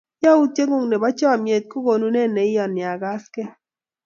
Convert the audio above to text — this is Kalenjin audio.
Yautye ng'ung' nepo chomyet kou konunet ne iyoni akaskey.